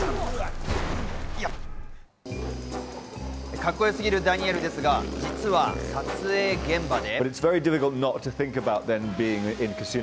カッコよすぎるダニエルですが実は撮影現場で。